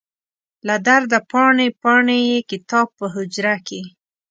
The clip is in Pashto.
له درده پاڼې، پاڼې یې کتاب په حجره کې